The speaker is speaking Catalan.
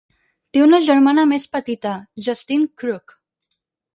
Té una germana més petita, Justine Kreuk.